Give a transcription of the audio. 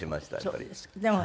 そうですか。